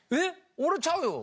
俺ちゃうよ。